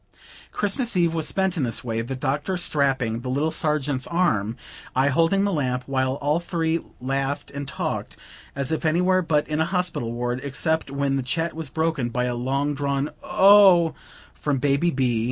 Christmas eve was spent in this way; the Doctor strapping the little Sergeant's arm, I holding the lamp, while all three laughed and talked, as if anywhere but in a hospital ward; except when the chat was broken by a long drawn "Oh!" from "Baby B.